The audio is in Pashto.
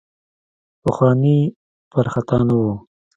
پخواني پر خطا نه وو.